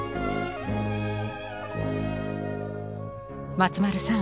松丸さん